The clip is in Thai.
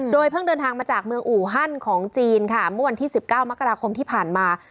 เพิ่งเดินทางมาจากเมืองอูฮันของจีนค่ะเมื่อวันที่๑๙มกราคมที่ผ่านมา